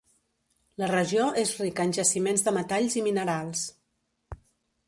La regió és rica en jaciments de metalls i minerals.